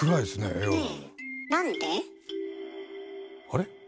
あれ？